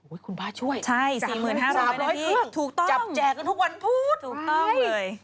อุ๊ยคุณพ่อช่วยจับแจกันทุกวันพูดถูกต้องเลยใช่๔๕๐๐๐นาทีถูกต้อง